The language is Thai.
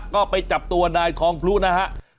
ก็ไปจับตัวนายทองพลุนะฮะ